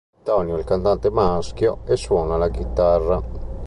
Tonio, il cantante maschio e suona la chitarra.